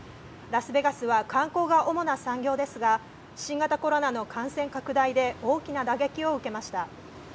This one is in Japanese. ラスベガスは観光が主な産業ですが新型コロナの感染拡大で大きな打撃を受けました。